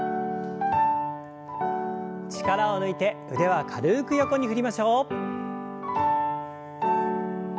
力を抜いて腕は軽く横に振りましょう。